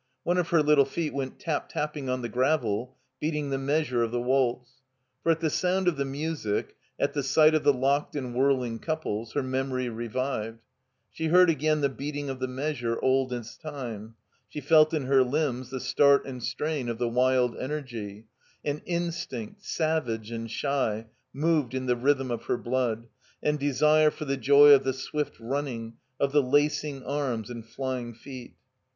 C^e of her little feet went tap tapping on the gravel, beating the measure of the waltz. For at the sound of the music, at the sight of the locked and whirling couples, her memory revived; she heard again the beating of the measure old as time; she felt in her limbs the start and strain of the wild energy; and instinct, savage and shy, moved in the rhythm of her blood, and desire for the joy of the swift running, of the lacing arms and flying feet.